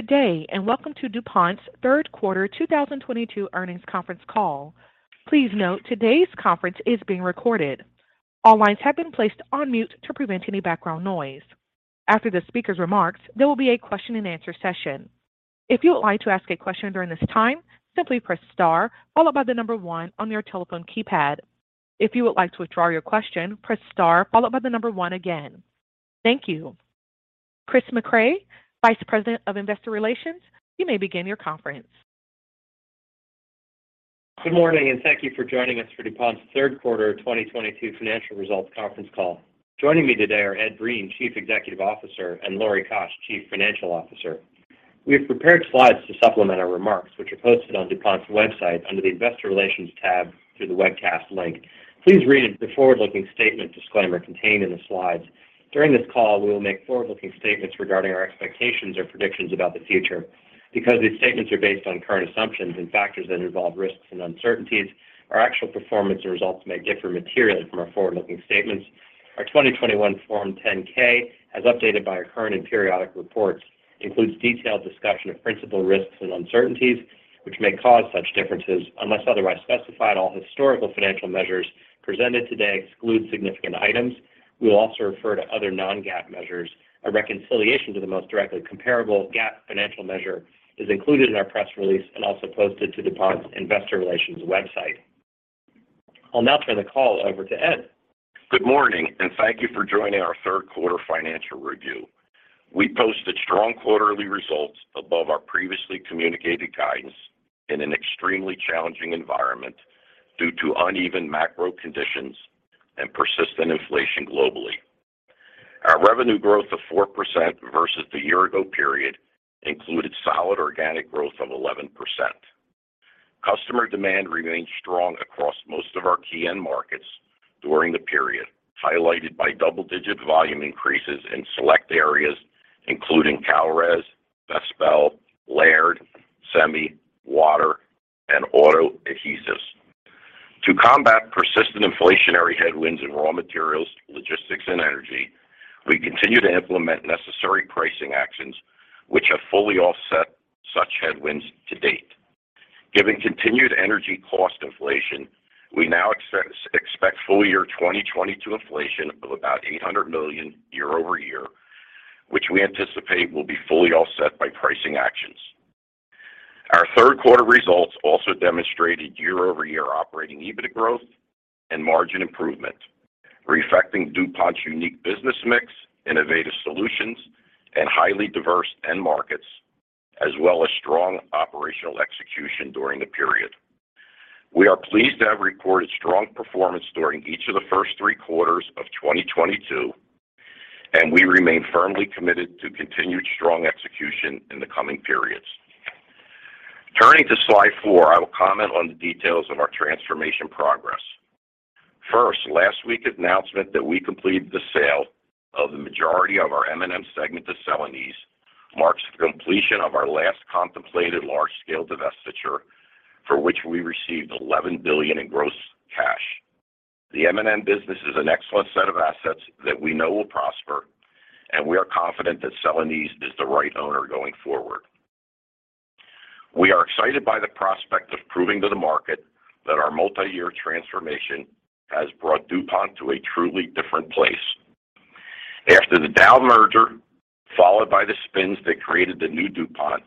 Good day, and welcome to DuPont's third quarter 2022 earnings conference call. Please note today's conference is being recorded. All lines have been placed on mute to prevent any background noise. After the speaker's remarks, there will be a question-and-answer session. If you would like to ask a question during this time, simply press star followed by the number one on your telephone keypad. If you would like to withdraw your question, press star followed by the number one again. Thank you. Chris Mecray, Vice President of Investor Relations, you may begin your conference. Good morning, and thank you for joining us for DuPont's third quarter 2022 financial results conference call. Joining me today are Ed Breen, Chief Executive Officer, and Lori Koch, Chief Financial Officer. We have prepared slides to supplement our remarks, which are posted on DuPont's website under the Investor Relations tab through the webcast link. Please read the forward-looking statement disclaimer contained in the slides. During this call, we will make forward-looking statements regarding our expectations or predictions about the future. Because these statements are based on current assumptions and factors that involve risks and uncertainties, our actual performance or results may differ materially from our forward-looking statements. Our 2021 Form 10-K, as updated by our current and periodic reports, includes detailed discussion of principal risks and uncertainties, which may cause such differences. Unless otherwise specified, all historical financial measures presented today exclude significant items. We will also refer to other non-GAAP measures. A reconciliation to the most directly comparable GAAP financial measure is included in our press release and also posted to DuPont's Investor Relations website. I'll now turn the call over to Ed. Good morning, and thank you for joining our third quarter financial review. We posted strong quarterly results above our previously communicated guidance in an extremely challenging environment due to uneven macro conditions and persistent inflation globally. Our revenue growth of 4% versus the year ago period included solid organic growth of 11%. Customer demand remained strong across most of our key end markets during the period, highlighted by double-digit volume increases in select areas, including Kalrez, Vespel, Laird, Semi, water, and Auto Adhesives. To combat persistent inflationary headwinds in raw materials, logistics, and energy, we continue to implement necessary pricing actions which have fully offset such headwinds to date. Given continued energy cost inflation, we now expect full year 2022 inflation of about $800 million YoY, which we anticipate will be fully offset by pricing actions. Our third quarter results also demonstrated year-over-year operating EBIT growth and margin improvement, reflecting DuPont's unique business mix, innovative solutions, and highly diverse end markets, as well as strong operational execution during the period. We are pleased to have recorded strong performance during each of the first three quarters of 2022, and we remain firmly committed to continued strong execution in the coming periods. Turning to Slide 4, I will comment on the details of our transformation progress. First, last week's announcement that we completed the sale of the majority of our M&M segment to Celanese marks the completion of our last contemplated large-scale divestiture for which we received $11 billion in gross cash. The M&M business is an excellent set of assets that we know will prosper, and we are confident that Celanese is the right owner going forward. We are excited by the prospect of proving to the market that our multi-year transformation has brought DuPont to a truly different place. After the Dow merger, followed by the spins that created the new DuPont,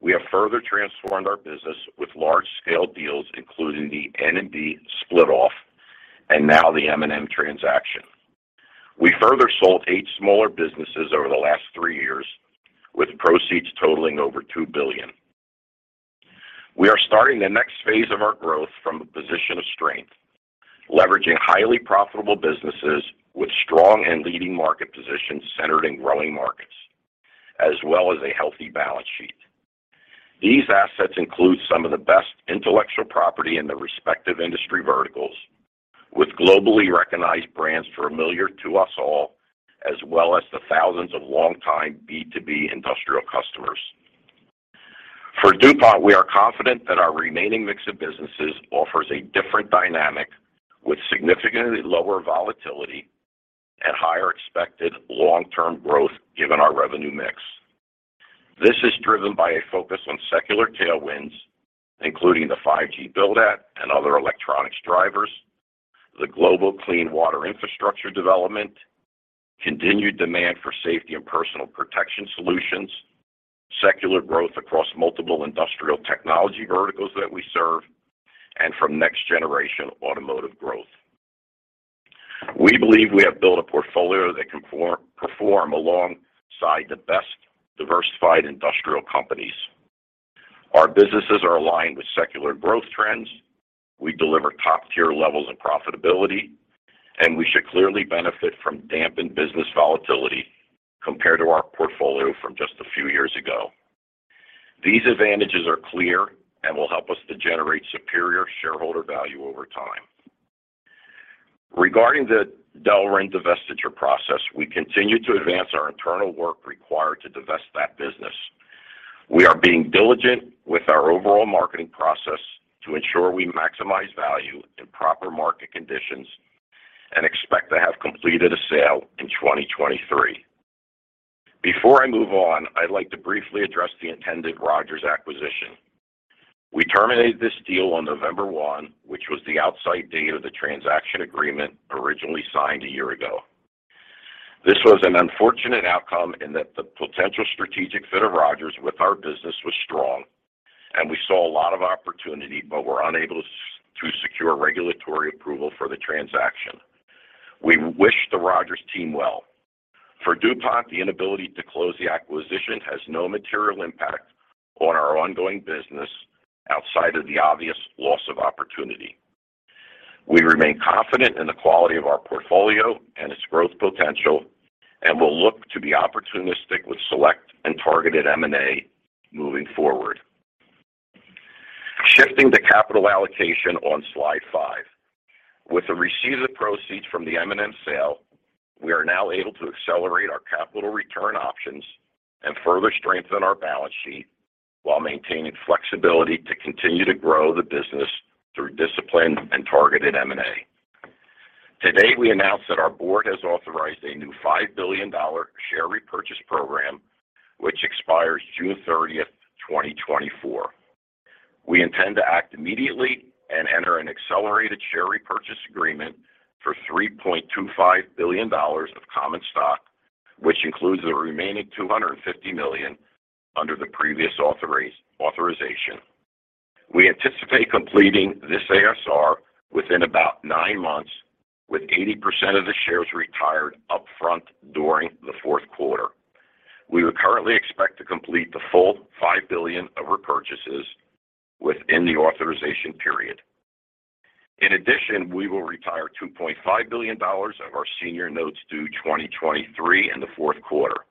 we have further transformed our business with large-scale deals, including the N&B split-off and now the M&M transaction. We further sold eight smaller businesses over the last three years, with proceeds totaling over $2 billion. We are starting the next phase of our growth from a position of strength, leveraging highly profitable businesses with strong and leading market positions centered in growing markets, as well as a healthy balance sheet. These assets include some of the best intellectual property in their respective industry verticals with globally recognized brands familiar to us all, as well as the thousands of longtime B2B industrial customers. For DuPont, we are confident that our remaining mix of businesses offers a different dynamic with significantly lower volatility and higher expected long-term growth, given our revenue mix. This is driven by a focus on secular tailwinds, including the 5G build-out and other electronics drivers, the global clean water infrastructure development, continued demand for safety and personal protection solutions, secular growth across multiple industrial technology verticals that we serve, and from next generation automotive growth. We believe we have built a portfolio that can perform alongside the best diversified industrial companies. Our businesses are aligned with secular growth trends. We deliver top tier levels of profitability, and we should clearly benefit from dampened business volatility compared to our portfolio from just a few years ago. These advantages are clear and will help us to generate superior shareholder value over time. Regarding the Delrin divestiture process, we continue to advance our internal work required to divest that business. We are being diligent with our overall marketing process to ensure we maximize value in proper market conditions. Expect to have completed a sale in 2023. Before I move on, I'd like to briefly address the intended Rogers acquisition. We terminated this deal on November 1, which was the outside date of the transaction agreement originally signed a year ago. This was an unfortunate outcome in that the potential strategic fit of Rogers with our business was strong, and we saw a lot of opportunity, but were unable to secure regulatory approval for the transaction. We wish the Rogers team well. For DuPont, the inability to close the acquisition has no material impact on our ongoing business outside of the obvious loss of opportunity. We remain confident in the quality of our portfolio and its growth potential, and we'll look to be opportunistic with select and targeted M&A moving forward. Shifting to capital allocation on slide five. With the receipt of proceeds from the M&M sale, we are now able to accelerate our capital return options and further strengthen our balance sheet while maintaining flexibility to continue to grow the business through disciplined and targeted M&A. Today, we announced that our board has authorized a new $5 billion share repurchase program, which expires June 30th, 2024. We intend to act immediately and enter an accelerated share repurchase agreement for $3.25 billion of common stock, which includes the remaining $250 million under the previous authorization. We anticipate completing this ASR within about nine months, with 80% of the shares retired upfront during the fourth quarter. We currently expect to complete the full $5 billion of repurchases within the authorization period. In addition, we will retire $2.5 billion of our senior notes due 2023 in the fourth quarter.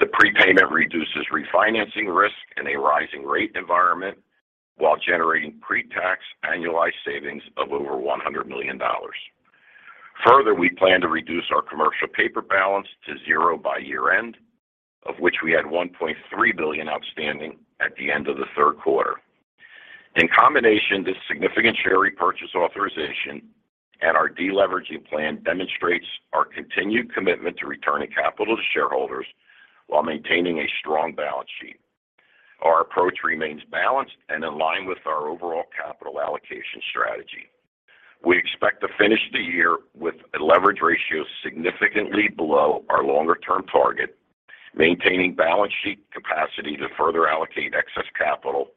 The prepayment reduces refinancing risk in a rising rate environment while generating pre-tax annualized savings of over $100 million. Further, we plan to reduce our commercial paper balance to zero by year-end, of which we had $1.3 billion outstanding at the end of the third quarter. In combination, this significant share repurchase authorization and our deleveraging plan demonstrates our continued commitment to returning capital to shareholders while maintaining a strong balance sheet. Our approach remains balanced and aligned with our overall capital allocation strategy. We expect to finish the year with a leverage ratio significantly below our longer-term target, maintaining balance sheet capacity to further allocate excess capital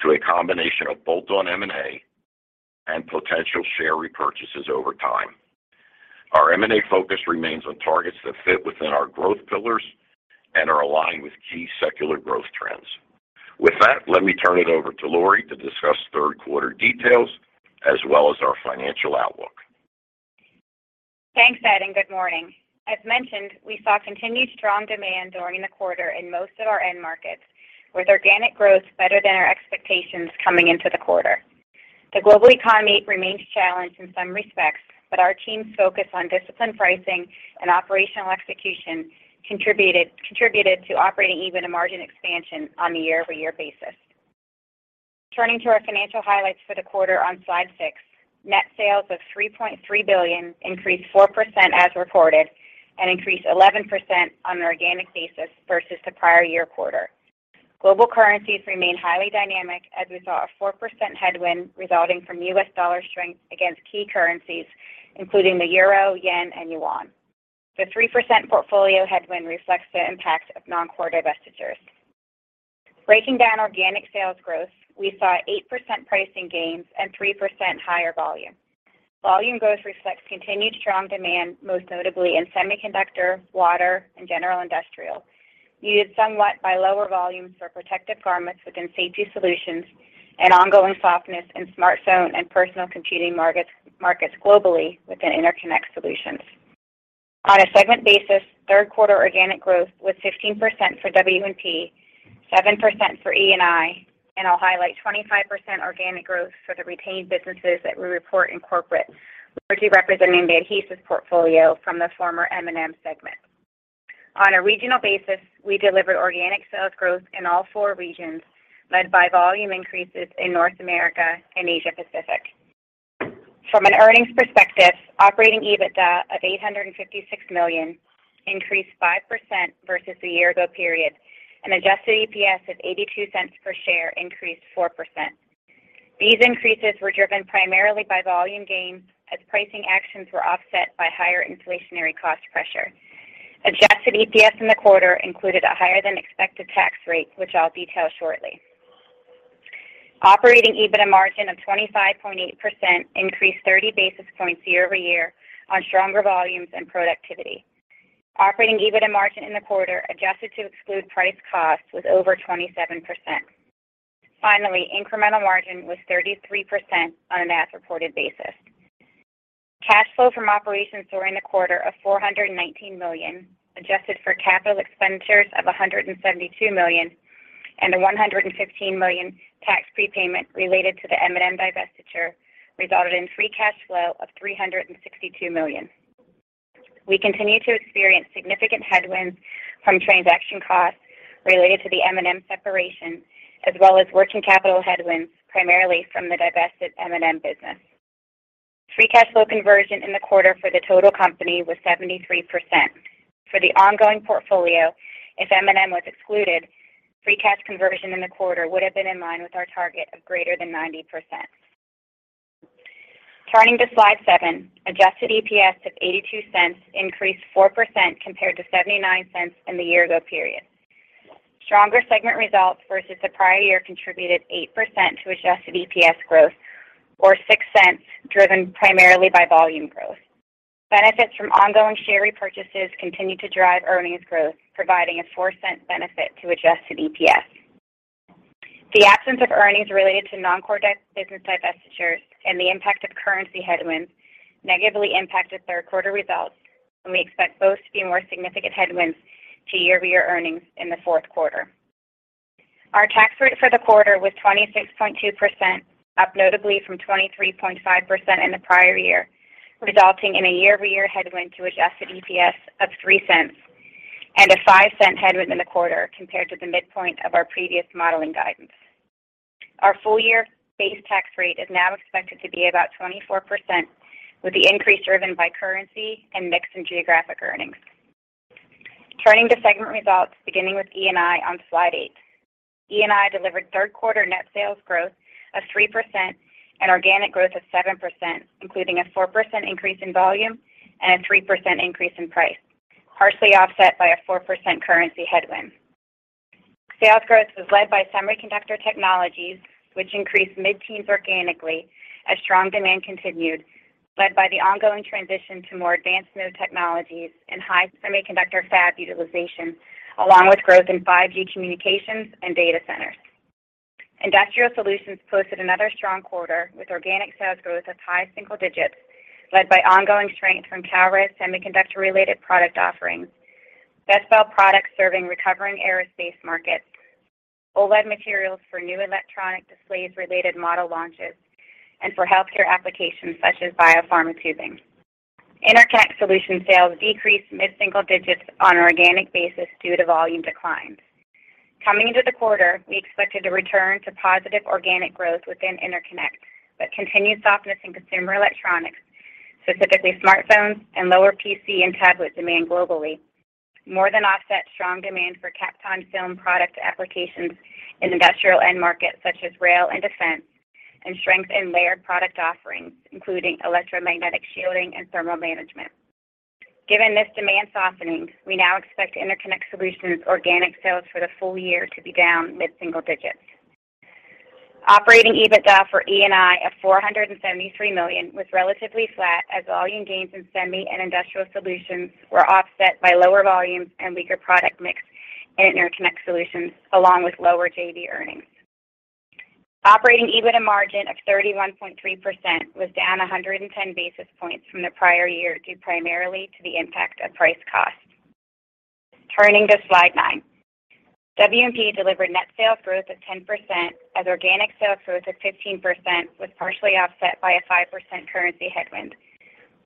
to a combination of bolt-on M&A and potential share repurchases over time. Our M&A focus remains on targets that fit within our growth pillars and are aligned with key secular growth trends. With that, let me turn it over to Lori to discuss third quarter details as well as our financial outlook. Thanks, Ed, and good morning. As mentioned, we saw continued strong demand during the quarter in most of our end markets, with organic growth better than our expectations coming into the quarter. The global economy remains challenged in some respects, but our team's focus on disciplined pricing and operational execution contributed to operating EBITDA margin expansion on a year-over-year basis. Turning to our financial highlights for the quarter on Slide 6. Net sales of $3.3 billion increased 4% as reported and increased 11% on an organic basis versus the prior year quarter. Global currencies remain highly dynamic as we saw a 4% headwind resulting from U.S. dollar strength against key currencies, including the euro, yen, and yuan. The 3% portfolio headwind reflects the impact of non-core divestitures. Breaking down organic sales growth, we saw 8% pricing gains and 3% higher volume. Volume growth reflects continued strong demand, most notably in semiconductor, water, and general industrial, muted somewhat by lower volumes for protective garments within safety solutions and ongoing softness in smartphone and personal computing markets globally within interconnect solutions. On a segment basis, third quarter organic growth was 15% for W&P, 7% for E&I, and I'll highlight 25% organic growth for the retained businesses that we report in corporate, largely representing the adhesives portfolio from the former M&M segment. On a regional basis, we delivered organic sales growth in all four regions, led by volume increases in North America and Asia Pacific. From an earnings perspective, operating EBITDA of $856 million increased 5% versus the year ago period, and Adjusted EPS of $0.82 per share increased 4%. These increases were driven primarily by volume gains as pricing actions were offset by higher inflationary cost pressure. Adjusted EPS in the quarter included a higher than expected tax rate, which I'll detail shortly. Operating EBITDA margin of 25.8% increased 30 basis points YoY on stronger volumes and productivity. Operating EBITDA margin in the quarter adjusted to exclude price cost was over 27%. Finally, incremental margin was 33% on an as-reported basis. Cash flow from operations during the quarter of $419 million, adjusted for capital expenditures of $172 million and a $115 million tax prepayment related to the M&M divestiture, resulted in free cash flow of $362 million. We continue to experience significant headwinds from transaction costs related to the M&M separation, as well as working capital headwinds, primarily from the divested M&M business. Free cash flow conversion in the quarter for the total company was 73%. For the ongoing portfolio, if M&M was excluded, free cash conversion in the quarter would have been in line with our target of greater than 90%. Turning to Slide 7. Adjusted EPS of $0.82 increased 4% compared to $0.79 in the year ago period. Stronger segment results versus the prior year contributed 8% to Adjusted EPS growth, or $0.06, driven primarily by volume growth. Benefits from ongoing share repurchases continued to drive earnings growth, providing a $0.04 benefit to Adjusted EPS. The absence of earnings related to non-core business divestitures and the impact of currency headwinds negatively impacted third quarter results, and we expect both to be more significant headwinds to year-over-year earnings in the fourth quarter. Our tax rate for the quarter was 26.2%, up notably from 23.5% in the prior year, resulting in a year-over-year headwind to Adjusted EPS of $0.03 and a $0.05 headwind in the quarter compared to the midpoint of our previous modeling guidance. Our full-year base tax rate is now expected to be about 24%, with the increase driven by currency and mix in geographic earnings. Turning to segment results, beginning with E&I on Slide 8. E&I delivered third quarter net sales growth of 3% and organic growth of 7%, including a 4% increase in volume and a 3% increase in price, partially offset by a 4% currency headwind. Sales growth was led by Semiconductor Technologies, which increased mid-teens organically as strong demand continued, led by the ongoing transition to more advanced node technologies and high semiconductor fab utilization, along with growth in 5G communications and data centers. Industrial Solutions posted another strong quarter with organic sales growth of high single digits, led by ongoing strength from Kalrez semiconductor-related product offerings, Vespel products serving recovering aerospace markets, OLED materials for new electronic displays-related model launches, and for healthcare applications such as biopharma tubing. Interconnect Solutions sales decreased mid-single digits on an organic basis due to volume declines. Coming into the quarter, we expected a return to positive organic growth within Interconnect, but continued softness in consumer electronics, specifically smartphones and lower PC and tablet demand globally, more than offset strong demand for Kapton film product applications in industrial end markets such as rail and defense and strength in layered product offerings, including electromagnetic shielding and thermal management. Given this demand softening, we now expect Interconnect Solutions organic sales for the full year to be down mid-single digits. Operating EBITDA for E&I of $473 million was relatively flat as volume gains in semi and industrial solutions were offset by lower volumes and weaker product mix in Interconnect Solutions along with lower JV earnings. Operating EBITDA margin of 31.3% was down 110 basis points from the prior year, due primarily to the impact of price cost. Turning to Slide 9. W&P delivered net sales growth of 10% as organic sales growth of 15% was partially offset by a 5% currency headwind.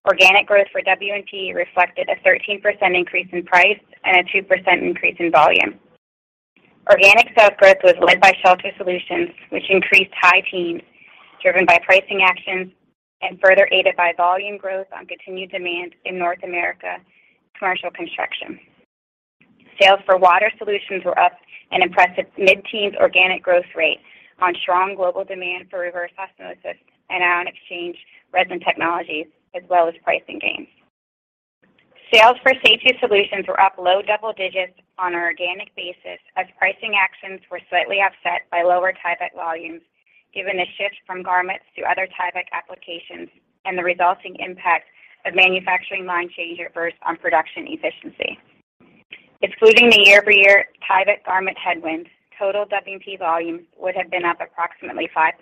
Organic growth for W&P reflected a 13% increase in price and a 2% increase in volume. Organic sales growth was led by Shelter Solutions, which increased high teens, driven by pricing actions and further aided by volume growth on continued demand in North America commercial construction. Sales for Water Solutions were up an impressive mid-teens organic growth rate on strong global demand for reverse osmosis and ion exchange resin technologies, as well as pricing gains. Sales for Safety Solutions were up low double digits on an organic basis as pricing actions were slightly offset by lower Tyvek volumes given a shift from garments to other Tyvek applications and the resulting impact of manufacturing line changes on production efficiency. Excluding the year-over-year Tyvek garment headwinds, total W&P volumes would have been up approximately 5%.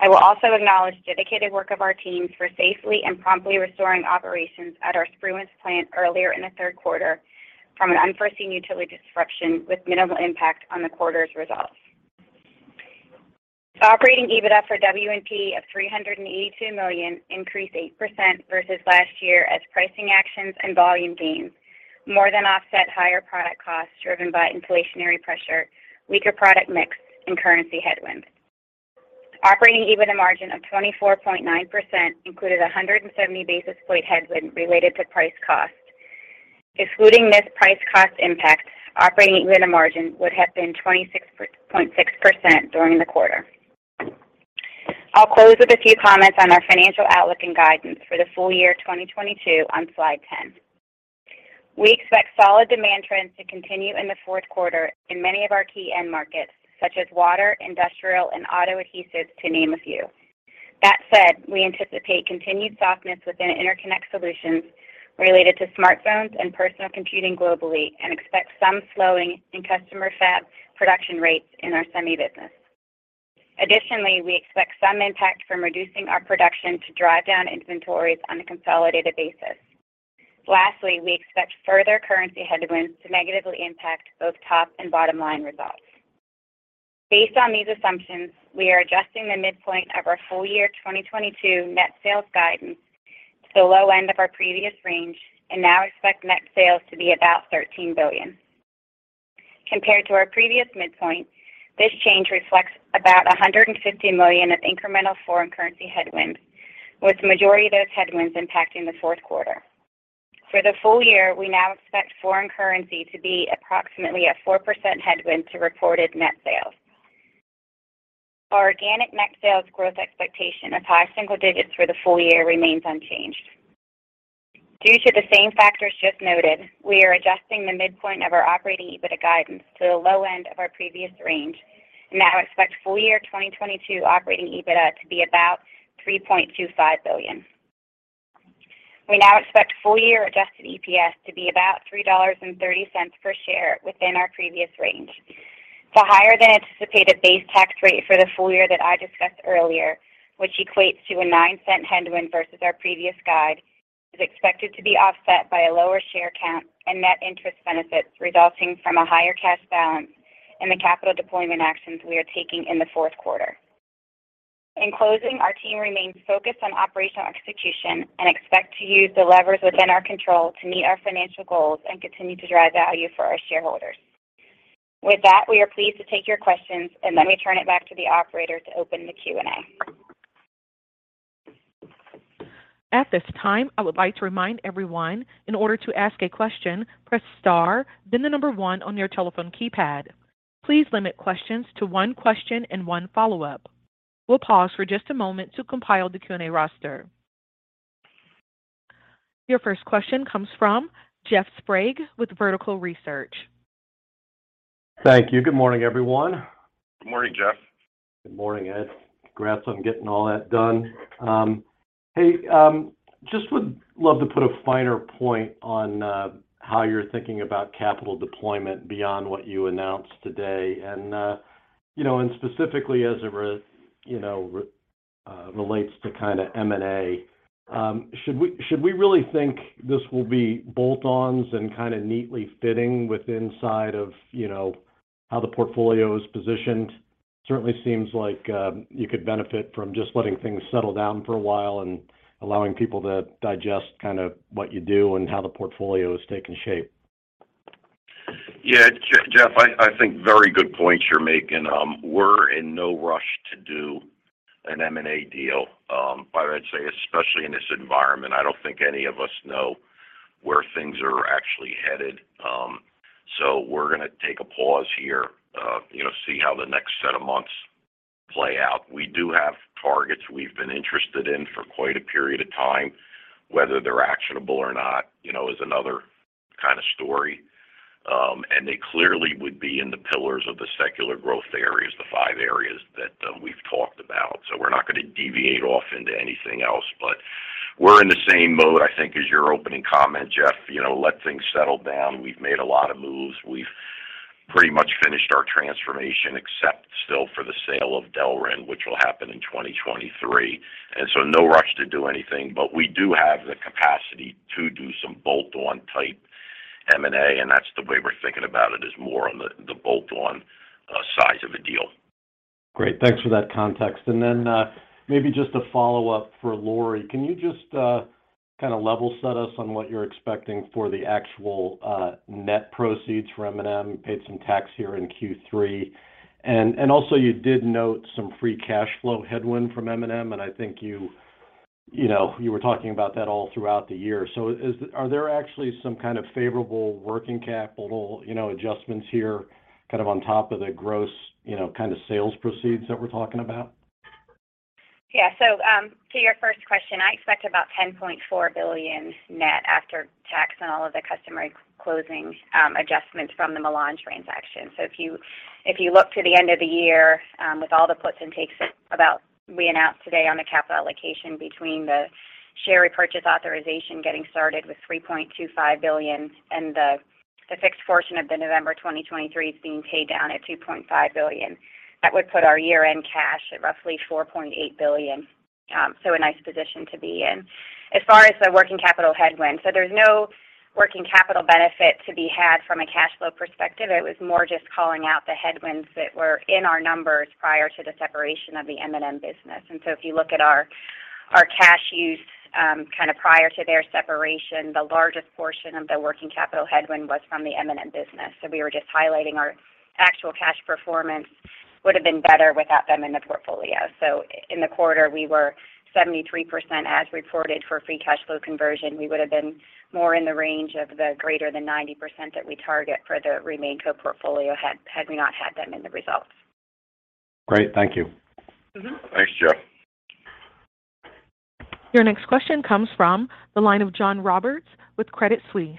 I will also acknowledge dedicated work of our teams for safely and promptly restoring operations at our Spruance plant earlier in the third quarter from an unforeseen utility disruption with minimal impact on the quarter's results. Operating EBITDA for W&P of $382 million increased 8% versus last year as pricing actions and volume gains more than offset higher product costs driven by inflationary pressure, weaker product mix, and currency headwinds. Operating EBITDA margin of 24.9% included a 170 basis point headwind related to price cost. Excluding this price cost impact, operating EBITDA margin would have been 26.6% during the quarter. I'll close with a few comments on our financial outlook and guidance for the full year 2022 on Slide 10. We expect solid demand trends to continue in the fourth quarter in many of our key end markets, such as water, industrial, and Auto Adhesives, to name a few. That said, we anticipate continued softness within Interconnect Solutions related to smartphones and personal computing globally and expect some slowing in customer fab production rates in our semi business. Additionally, we expect some impact from reducing our production to drive down inventories on a consolidated basis. Lastly, we expect further currency headwinds to negatively impact both top and bottom line results. Based on these assumptions, we are adjusting the midpoint of our full year 2022 net sales guidance to the low end of our previous range and now expect net sales to be about $13 billion. Compared to our previous midpoint, this change reflects about $150 million of incremental foreign currency headwind, with the majority of those headwinds impacting the fourth quarter. For the full year, we now expect foreign currency to be approximately a 4% headwind to reported net sales. Our organic net sales growth expectation of high single digits for the full year remains unchanged. Due to the same factors just noted, we are adjusting the midpoint of our operating EBITDA guidance to the low end of our previous range and now expect full-year 2022 operating EBITDA to be about $3.25 billion. We now expect full-year Adjusted EPS to be about $3.30 per share within our previous range. The higher than anticipated base tax rate for the full year that I discussed earlier, which equates to a $0.09 headwind versus our previous guide, is expected to be offset by a lower share count and net interest benefits resulting from a higher cash balance and the capital deployment actions we are taking in the fourth quarter. In closing, our team remains focused on operational execution and expect to use the levers within our control to meet our financial goals and continue to drive value for our shareholders. With that, we are pleased to take your questions, and let me turn it back to the operator to open the Q&A. At this time, I would like to remind everyone in order to ask a question, press star, then the number one on your telephone keypad. Please limit questions to one question and one follow-up. We'll pause for just a moment to compile the Q&A roster. Your first question comes from Jeff Sprague with Vertical Research. Thank you. Good morning, everyone. Good morning, Jeff. Good morning, Ed. Congrats on getting all that done. Hey, just would love to put a finer point on how you're thinking about capital deployment beyond what you announced today. You know, specifically as it relates to kinda M&A. Should we really think this will be bolt-ons and kinda neatly fitting within how the portfolio is positioned? Certainly seems like you could benefit from just letting things settle down for a while and allowing people to digest kinda what you do and how the portfolio is taking shape. Yeah, Jeff, I think very good points you're making. We're in no rush to do an M&A deal. But I'd say, especially in this environment, I don't think any of us know where things are actually headed. We're gonna take a pause here, you know, see how the next set of months play out. We do have targets we've been interested in for quite a period of time. Whether they're actionable or not, you know, is another kinda story. They clearly would be in the pillars of the secular growth areas, the five areas that we've talked about. We're not gonna deviate off into anything else, but we're in the same mode, I think, as your opening comment, Jeff. You know, let things settle down. We've made a lot of moves. We've pretty much finished our transformation, except still for the sale of Delrin, which will happen in 2023. No rush to do anything, but we do have the capacity to do some bolt-on type M&A, and that's the way we're thinking about it, is more on the bolt-on size of a deal. Great. Thanks for that context. Maybe just a follow-up for Lori. Can you just kinda level set us on what you're expecting for the actual net proceeds from M&M? You paid some tax here in Q3. Also you did note some free cash flow headwind from M&M, and I think you know you were talking about that all throughout the year. Are there actually some kind of favorable working capital, you know, adjustments here, kind of on top of the gross, you know, kinda sales proceeds that we're talking about? Yeah. To your first question, I expect about $10.4 billion net after tax and all of the customary closing adjustments from the M&M transaction. If you look to the end of the year, with all the puts and takes, about what we announced today on the capital allocation between the share repurchase authorization getting started with $3.25 billion and the fixed portion of the November 2023 being paid down at $2.5 billion, that would put our year-end cash at roughly $4.8 billion. A nice position to be in. As far as the working capital headwind, there's no working capital benefit to be had from a cash flow perspective. It was more just calling out the headwinds that were in our numbers prior to the separation of the M&M business. If you look at our cash used kind of prior to their separation, the largest portion of the working capital headwind was from the M&M business. We were just highlighting our actual cash performance would have been better without them in the portfolio. In the quarter, we were 73% as reported for free cash flow conversion. We would have been more in the range of the greater than 90% that we target for the remaining co portfolio had we not had them in the results. Great. Thank you. Mm-hmm. Thanks, Jeff. Your next question comes from the line of John Roberts with Credit Suisse.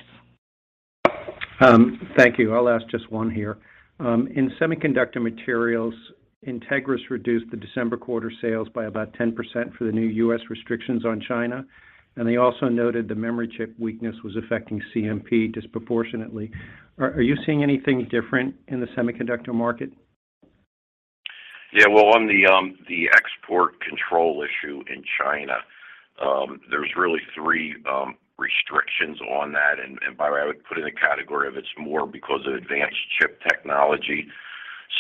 Thank you. I'll ask just one here. In semiconductor materials, Entegris reduced the December quarter sales by about 10% for the new U.S. restrictions on China, and they also noted the memory chip weakness was affecting CMP disproportionately. Are you seeing anything different in the semiconductor market? Yeah. Well, on the export control issue in China, there's really 3 restrictions on that. By the way, I would put it in a category of it's more because of advanced chip technology.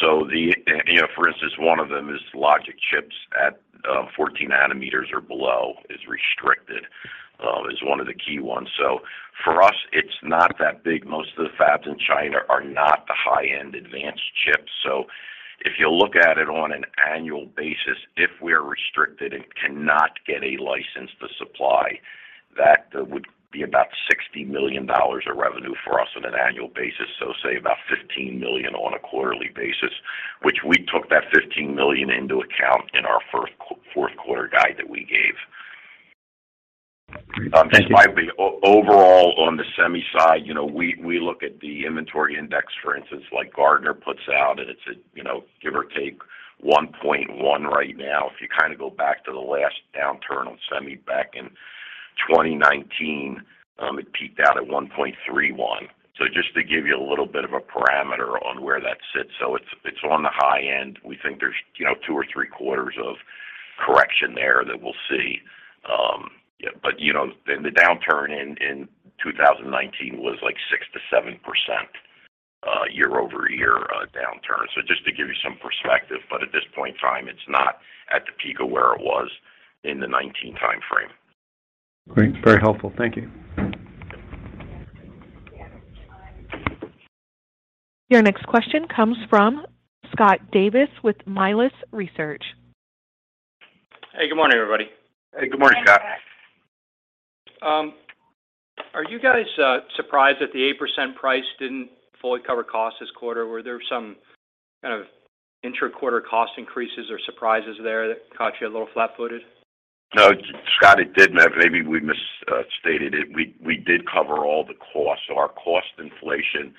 You know, for instance, one of them is logic chips at 14 nanometers or below is restricted, is one of the key ones. For us, it's not that big. Most of the fabs in China are not the high-end advanced chips. If you look at it on an annual basis, if we're restricted and cannot get a license to supply, that would be about $60 million of revenue for us on an annual basis. Say about $15 million on a quarterly basis, which we took that $15 million into account in our fourth quarter guide that we gave. Thank you. By the way, overall on the semi side, you know, we look at the inventory index, for instance, like Gartner puts out, and it's at, you know, give or take 1.1 right now. If you kind of go back to the last downturn on semi back in 2019, it peaked out at 1.31. Just to give you a little bit of a parameter on where that sits. It's on the high end. We think there's, you know, two or three quarters of correction there that we'll see. You know, the downturn in 2019 was like 6%-7% YoY downturn. Just to give you some perspective, but at this point in time, it's not at the peak of where it was in the 2019 timeframe. Great. Very helpful. Thank you. Your next question comes from Scott Davis with Melius Research. Hey, good morning, everybody. Hey, good morning, Scott. Are you guys surprised that the 8% price didn't fully cover costs this quarter? Were there some kind of intra-quarter cost increases or surprises there that caught you a little flat-footed? No, Scott, it didn't. Maybe we misstated it. We did cover all the costs. Our cost inflation,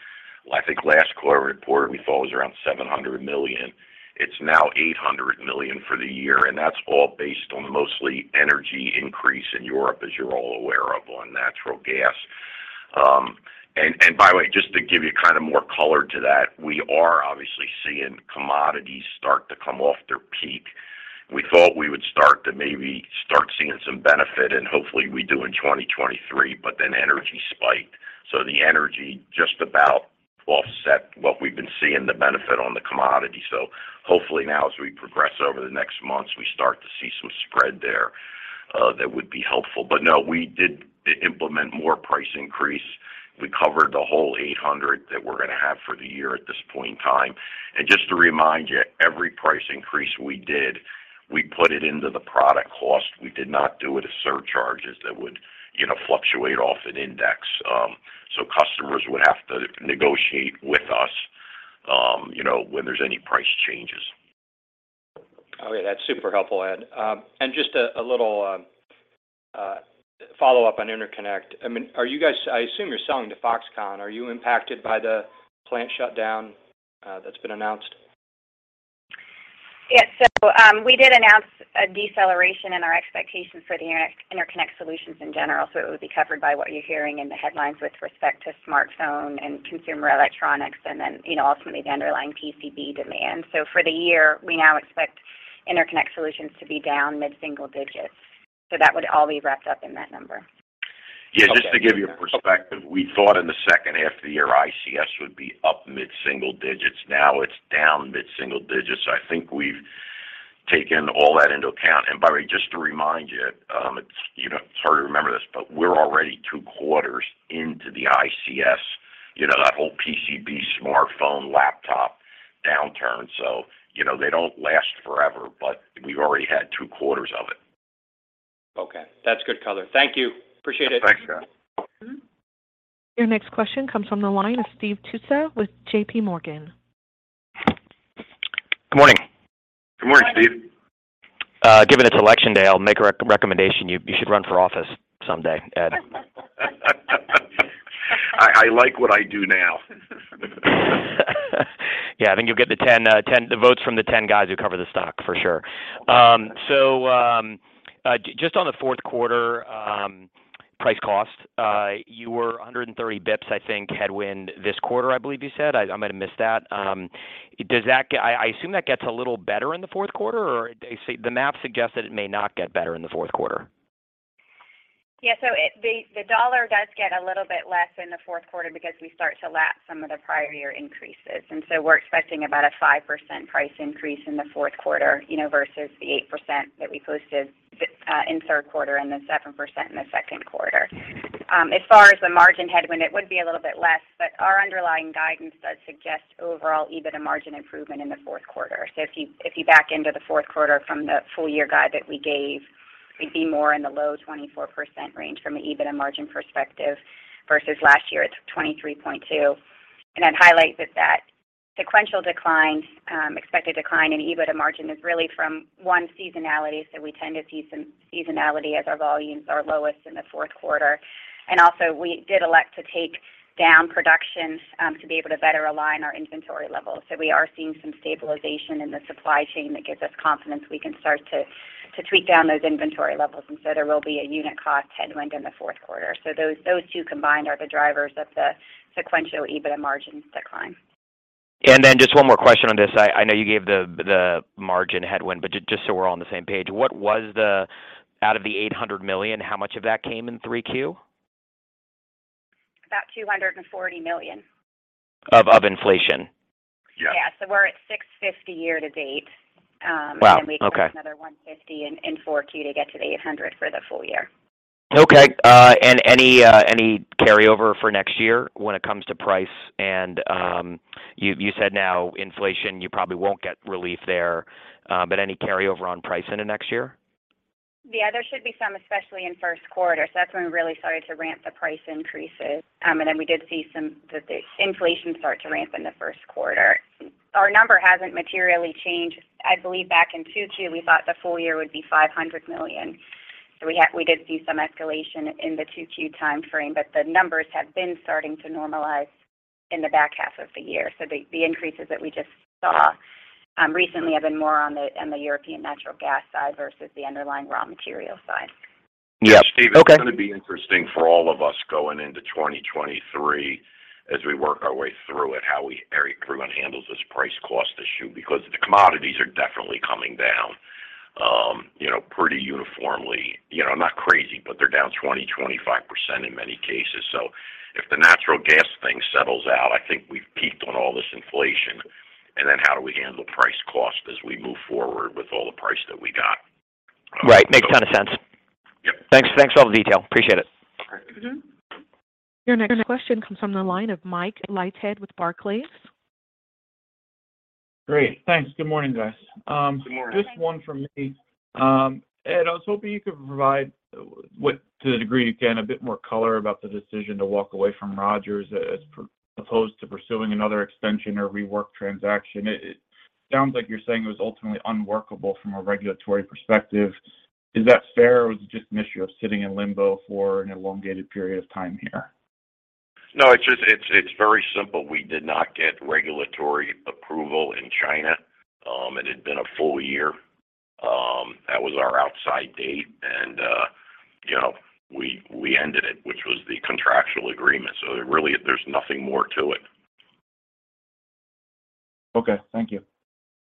I think last quarter we reported we thought was around $700 million. It's now $800 million for the year, and that's all based on mostly energy increase in Europe, as you're all aware of on natural gas. And by the way, just to give you kind of more color to that, we are obviously seeing commodities start to come off their peak. We thought we would start to maybe start seeing some benefit, and hopefully we do in 2023, but then energy spiked. The energy just about offset what we've been seeing the benefit on the commodity. Hopefully now as we progress over the next months, we start to see some spread there, that would be helpful. No, we did implement more price increase. We covered the whole 800 that we're gonna have for the year at this point in time. Just to remind you, every price increase we did, we put it into the product cost. We did not do it as surcharges that would, you know, fluctuate off an index. Customers would have to negotiate with us, you know, when there's any price changes. Okay. That's super helpful, Ed. Just a little follow-up on interconnect. I mean, are you guys? I assume you're selling to Foxconn. Are you impacted by the plant shutdown that's been announced? Yeah. We did announce a deceleration in our expectations for the Interconnect Solutions in general. It would be covered by what you're hearing in the headlines with respect to smartphone and consumer electronics, and then, you know, ultimately the underlying PCB demand. For the year, we now expect Interconnect Solutions to be down mid-single digits. That would all be wrapped up in that number. Yeah. Just to give you perspective, we thought in the second half of the year, ICS would be up mid-single digits. Now it's down mid-single digits. I think we've taken all that into account. By the way, just to remind you, it's, you know, hard to remember this, but we're already two quarters into the ICS, you know, that whole PCB, smartphone, laptop downturn. You know, they don't last forever, but we've already had two quarters of it. Okay. That's good color. Thank you. Appreciate it. Thanks, Scott. Your next question comes from the line of Steve Tusa with JPMorgan. Good morning. Good morning, Steve. Given it's election day, I'll make a recommendation. You should run for office someday, Ed. I like what I do now. Yeah. I think you'll get the 10 votes from the 10 guys who cover the stock for sure. Just on the fourth quarter, price cost, you were 130 basis points, I think, headwind this quarter, I believe you said. I might have missed that. Does that I assume that gets a little better in the fourth quarter, or the map suggests that it may not get better in the fourth quarter. Yeah. The U.S. dollar does get a little bit less in the fourth quarter because we start to lap some of the prior year increases. We're expecting about a 5% price increase in the fourth quarter, you know, versus the 8% that we posted in third quarter and the 7% in the second quarter. As far as the margin headwind, it would be a little bit less, but our underlying guidance does suggest overall EBITDA margin improvement in the fourth quarter. If you back into the fourth quarter from the full-year guide that we gave, we'd be more in the low 24% range from an EBITDA margin perspective versus last year, it's 23.2%. I'd highlight that sequential decline expected decline in EBITDA margin is really from one seasonality. We tend to see some seasonality as our volumes are lowest in the fourth quarter. Also we did elect to take down production to be able to better align our inventory levels. We are seeing some stabilization in the supply chain that gives us confidence we can start to tweak down those inventory levels. There will be a unit cost headwind in the fourth quarter. Those two combined are the drivers of the sequential EBITDA margin decline. Just one more question on this. I know you gave the margin headwind, but just so we're on the same page, what was out of the $800 million, how much of that came in 3Q? About $240 million. Of inflation? Yeah. Yeah. We're at 650 year to date. Wow, okay. We did another $150 in 4Q to get to the $800 for the full year. Okay. Any carryover for next year when it comes to price and, you said no inflation, you probably won't get relief there, but any carryover on price into next year? Yeah, there should be some, especially in first quarter. That's when we really started to ramp the price increases. We did see the inflation start to ramp in the first quarter. Our number hasn't materially changed. I believe back in 2Q, we thought the full year would be $500 million. We did see some escalation in the 2Q timeframe, but the numbers have been starting to normalize in the back half of the year. The increases that we just saw recently have been more on the European natural gas side versus the underlying raw material side. Yeah. Okay. Steve, it's gonna be interesting for all of us going into 2023 as we work our way through it, how everyone handles this price cost issue because the commodities are definitely coming down, you know, pretty uniformly, you know, not crazy, but they're down 20%-25% in many cases. So if the natural gas thing settles out, I think we've peaked on all this inflation. How do we handle price cost as we move forward with all the price that we got? Right. Makes a ton of sense. Yep. Thanks. Thanks for all the detail. Appreciate it. All right. Your next question comes from the line of Mike Leithead with Barclays. Great. Thanks. Good morning, guys. Good morning. Just one from me. Ed, I was hoping you could provide, to the degree you can, a bit more color about the decision to walk away from Rogers as opposed to pursuing another extension or rework transaction. It sounds like you're saying it was ultimately unworkable from a regulatory perspective. Is that fair, or was it just an issue of sitting in limbo for an elongated period of time here? No, it's just it's very simple. We did not get regulatory approval in China. It had been a full year. That was our outside date and, you know, we ended it, which was the contractual agreement. Really, there's nothing more to it. Okay. Thank you.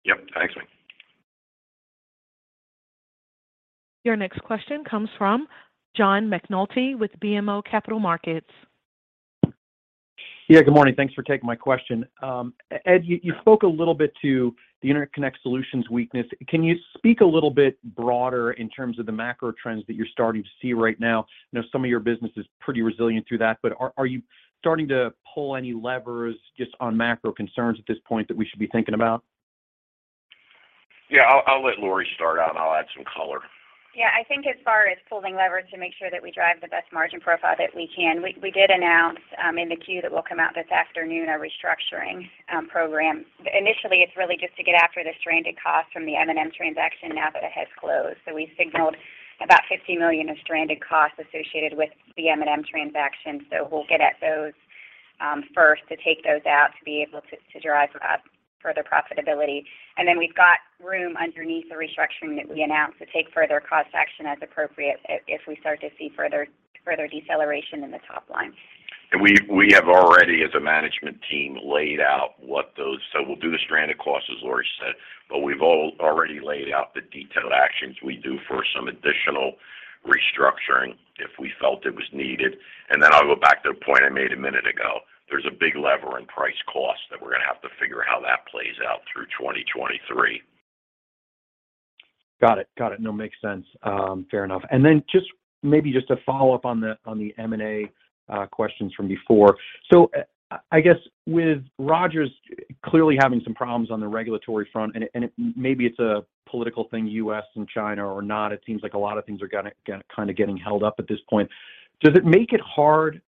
Yep. Thanks, Mike. Your next question comes from John McNulty with BMO Capital Markets. Yeah, good morning. Thanks for taking my question. Ed, you spoke a little bit to the Interconnect Solutions weakness. Can you speak a little bit broader in terms of the macro trends that you're starting to see right now? I know some of your business is pretty resilient through that, but are you starting to pull any levers just on macro concerns at this point that we should be thinking about? Yeah. I'll let Lori start out, and I'll add some color. Yeah. I think as far as pulling leverage to make sure that we drive the best margin profile that we can, we did announce in the Q that will come out this afternoon, our restructuring program. Initially, it's really just to get after the stranded costs from the M&M transaction now that it has closed. We signaled about $50 million of stranded costs associated with the M&M transaction. We'll get at those first to take those out to be able to drive up further profitability. Then we've got room underneath the restructuring that we announced to take further cost action as appropriate if we start to see further deceleration in the top line. We have already, as a management team, laid out what those. We'll do the stranded costs, as Lori said, but we've already laid out the detailed actions we do for some additional restructuring if we felt it was needed. I'll go back to the point I made a minute ago. There's a big lever in price cost that we're gonna have to figure how that plays out through 2023. Got it. No, makes sense. Fair enough. Then just maybe a follow-up on the M&A questions from before. I guess with Rogers clearly having some problems on the regulatory front, and maybe it's a political thing, U.S. and China or not, it seems like a lot of things are kinda getting held up at this point. Does it make it hard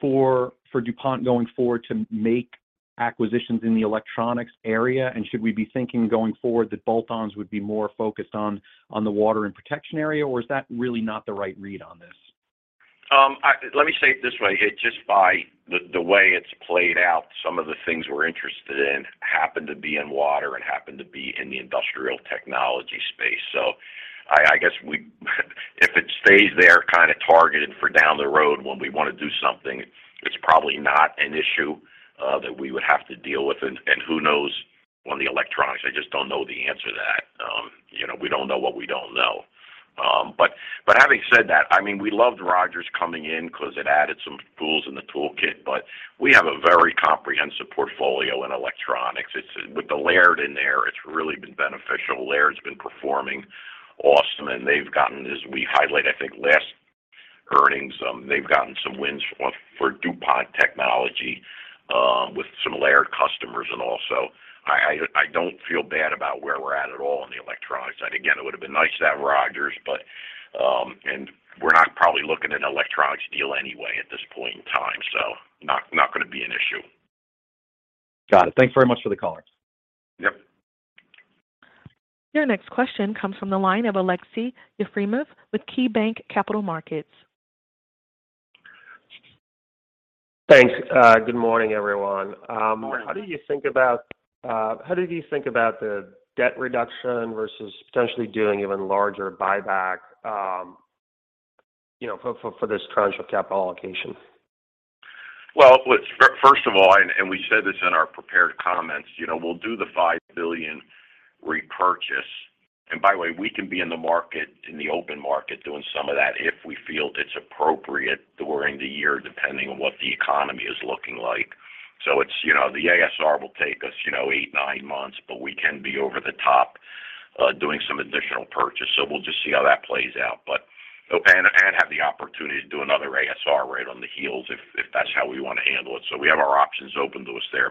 for DuPont going forward to make acquisitions in the electronics area? Should we be thinking going forward that bolt-ons would be more focused on the water and protection area, or is that really not the right read on this? Let me say it this way. It just by the way it's played out, some of the things we're interested in happen to be in water and happen to be in the industrial technology space. I guess if it stays there kinda targeted for down the road when we wanna do something, it's probably not an issue that we would have to deal with. Who knows on the electronics, I just don't know the answer to that. You know, we don't know what we don't know. Having said that, I mean, we loved Rogers coming in because it added some tools in the toolkit, but we have a very comprehensive portfolio in electronics. With the Laird in there, it's really been beneficial. Laird's been performing awesome, and they've gotten, as we highlight, I think last earnings, they've gotten some wins for DuPont technology with some Laird customers and all. I don't feel bad about where we're at at all on the electronics side. Again, it would have been nice to have Rogers, but and we're not probably looking at an electronics deal anyway at this point in time, so not gonna be an issue. Got it. Thanks very much for the color. Yep. Your next question comes from the line of Aleksey Yefremov with KeyBanc Capital Markets. Thanks. Good morning, everyone. Good morning. How do you think about the debt reduction versus potentially doing even larger buyback? You know, for this tranche of capital allocation. First of all, we said this in our prepared comments, you know, we'll do the $5 billion repurchase. By the way, we can be in the market, in the open market doing some of that if we feel it's appropriate during the year, depending on what the economy is looking like. It's, you know, the ASR will take us, you know, 8-9 months, but we can be over the top, doing some additional purchase. We'll just see how that plays out, but have the opportunity to do another ASR right on the heels if that's how we wanna handle it. We have our options open to us there.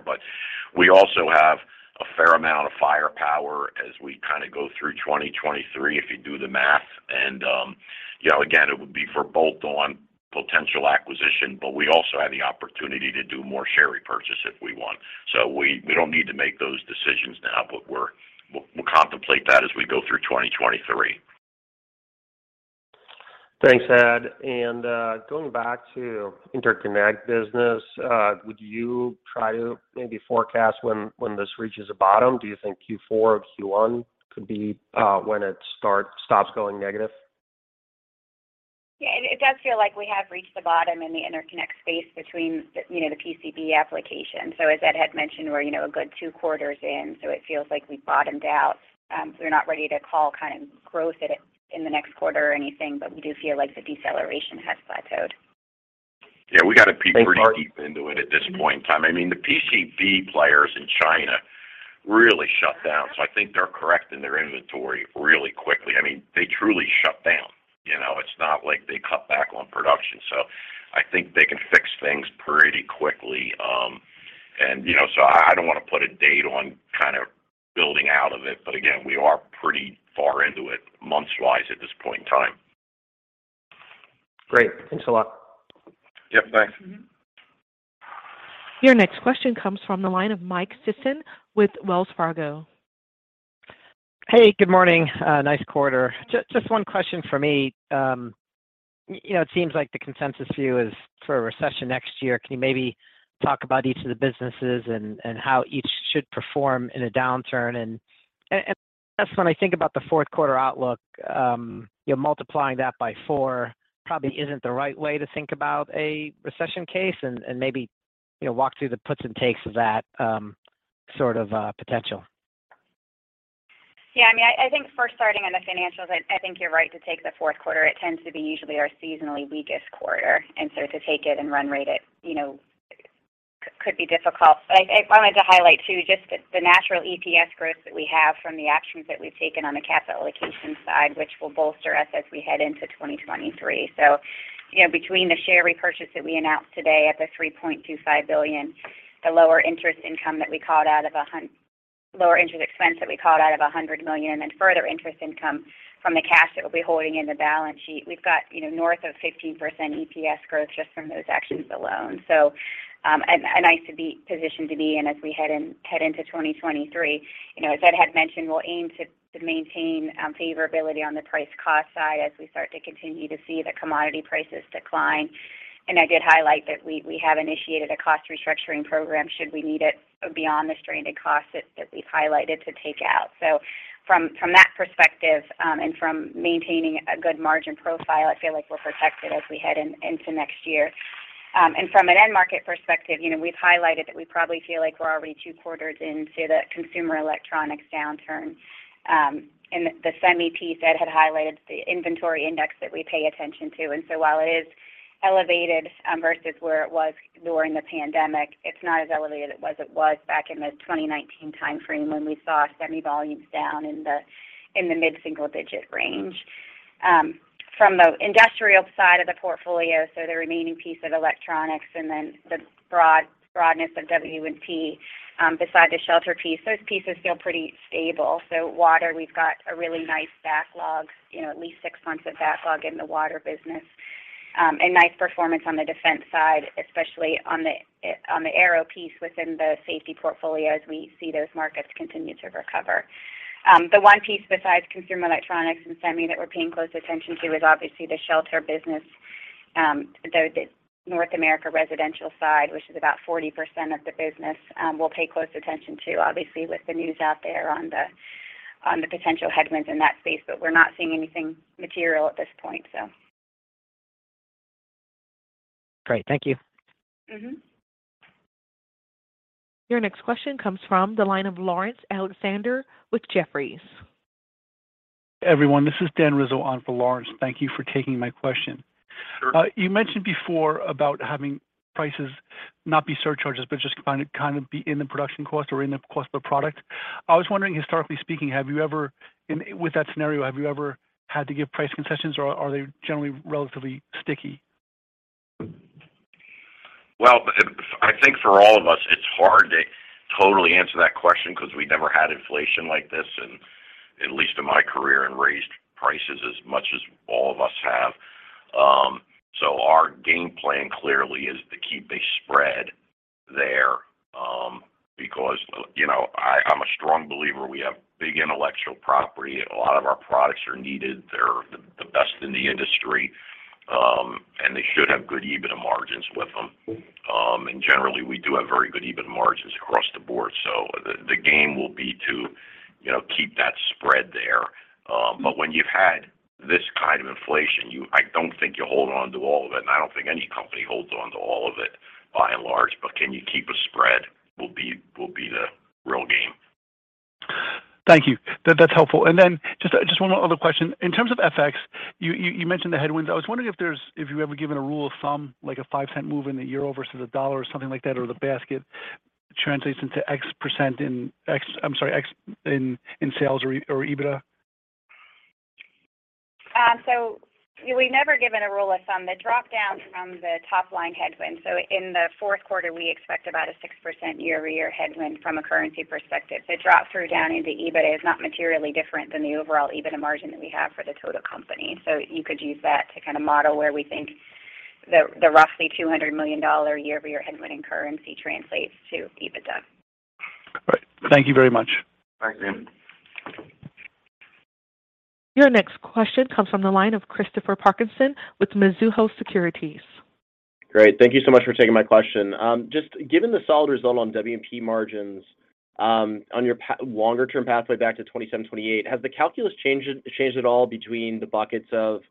We also have a fair amount of firepower as we kind of go through 2023 if you do the math. You know, again, it would be for bolt-on potential acquisition, but we also have the opportunity to do more share repurchase if we want. We don't need to make those decisions now, but we'll contemplate that as we go through 2023. Thanks, Ed. Going back to Interconnect business, would you try to maybe forecast when this reaches a bottom? Do you think Q4 or Q1 could be when it stops going negative? Yeah. It does feel like we have reached the bottom in the interconnect space between the, you know, the PCB application. As Ed had mentioned, we're, you know, a good two quarters in, so it feels like we've bottomed out. We're not ready to call kind of growth yet in the next quarter or anything, but we do feel like the deceleration has plateaued. Yeah. We gotta peek pretty deep into it at this point in time. I mean, the PCB players in China really shut down, so I think they're correcting their inventory really quickly. I mean, they truly shut down. You know, it's not like they cut back on production. I think they can fix things pretty quickly. You know, I don't wanna put a date on kind of building out of it, but again, we are pretty far into it months-wise at this point in time. Great. Thanks a lot. Yep. Thanks. Mm-hmm. Your next question comes from the line of Michael Sison with Wells Fargo. Hey, good morning. Nice quarter. Just one question for me. You know, it seems like the consensus view is for a recession next year. Can you maybe talk about each of the businesses and how each should perform in a downturn? That's when I think about the fourth quarter outlook, you know, multiplying that by 4 probably isn't the right way to think about a recession case and maybe, you know, walk through the puts and takes of that, sort of potential. Yeah. I mean, I think first starting on the financials, I think you're right to take the fourth quarter. It tends to be usually our seasonally weakest quarter. To take it and run rate it, you know, could be difficult. I wanted to highlight too just the natural EPS growth that we have from the actions that we've taken on the capital allocation side, which will bolster us as we head into 2023. You know, between the share repurchase that we announced today at the $3.25 billion, the lower interest expense that we called out of $100 million, and then further interest income from the cash that we'll be holding in the balance sheet. We've got, you know, north of 15% EPS growth just from those actions alone. A nice position to be in as we head into 2023. You know, as Ed had mentioned, we'll aim to maintain favorability on the price cost side as we start to continue to see the commodity prices decline. I did highlight that we have initiated a cost restructuring program should we need it beyond the stranded costs that we've highlighted to take out. From that perspective, and from maintaining a good margin profile, I feel like we're protected as we head into next year. From an end market perspective, you know, we've highlighted that we probably feel like we're already two quarters into the consumer electronics downturn. The semi piece Ed had highlighted, the inventory index that we pay attention to. While it is elevated versus where it was during the pandemic, it's not as elevated as it was back in the 2019 timeframe when we saw semi volumes down in the mid-single-digit range. From the industrial side of the portfolio, the remaining piece of electronics and then the broadness of W&P, beside the shelter piece, those pieces feel pretty stable. Water, we've got a really nice backlog, you know, at least six months of backlog in the water business, and nice performance on the defense side, especially on the aero piece within the safety portfolio as we see those markets continue to recover. The one piece besides consumer electronics and semi that we're paying close attention to is obviously the shelter business, the North America residential side, which is about 40% of the business. We'll pay close attention to obviously with the news out there on the potential headwinds in that space. We're not seeing anything material at this point, so. Great. Thank you. Mm-hmm. Your next question comes from the line of Laurence Alexander with Jefferies. Everyone, this is Dan Rizzo on for Laurence. Thank you for taking my question. Sure. You mentioned before about having prices not be surcharges, but just kind of be in the production cost or in the cost of the product. I was wondering, historically speaking, with that scenario, have you ever had to give price concessions, or are they generally relatively sticky? Well, I think for all of us, it's hard to totally answer that question 'cause we never had inflation like this in at least my career, and raised prices as much as all of us have. Our game plan clearly is to keep a spread there, because, you know, I'm a strong believer we have big intellectual property. A lot of our products are needed. They're the best in the industry, and they should have good EBITDA margins with them. Generally, we do have very good EBITDA margins across the board. The game will be to, you know, keep that spread there. When you've had this kind of inflation, I don't think you hold on to all of it, and I don't think any company holds on to all of it by and large. Can you keep abreast? Will be the real game. Thank you. That's helpful. Just one more other question. In terms of FX, you mentioned the headwinds. Have you ever given a rule of thumb, like a 0.05 move in the euro versus a dollar or something like that, or the basket translates into X percent in sales or EBITDA? We've never given a rule of thumb. The drop down from the top line headwind. In the fourth quarter, we expect about a 6% YoY headwind from a currency perspective. The drop through down into EBITDA is not materially different than the overall EBITDA margin that we have for the total company. You could use that to kind of model where we think the roughly $200 million YoY headwind in currency translates to EBITDA. Great. Thank you very much. Thanks, Dan. Your next question comes from the line of Christopher Parkinson with Mizuho Securities. Great. Thank you so much for taking my question. Just given the solid result on W&P margins, on your longer term pathway back to 27%-28%, has the calculus changed at all between the buckets of,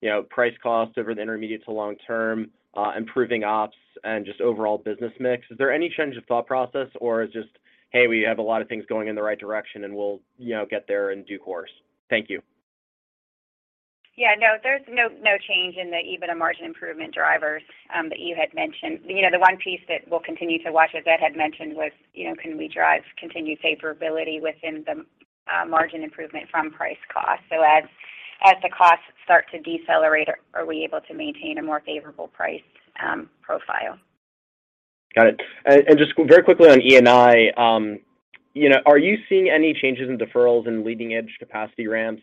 you know, price cost over the intermediate to long term, improving ops and just overall business mix? Is there any change of thought process or is just, "Hey, we have a lot of things going in the right direction and we'll, you know, get there in due course." Thank you. Yeah, no, there's no change in the EBITDA margin improvement drivers that you had mentioned. You know, the one piece that we'll continue to watch, as Ed had mentioned, was, you know, can we drive continued favorability within the margin improvement from price cost? As the costs start to decelerate, are we able to maintain a more favorable price profile? Got it. Just very quickly on E&I, you know, are you seeing any changes in deferrals in leading edge capacity ramps,